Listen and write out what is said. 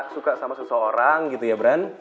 suka sama seseorang gitu ya brand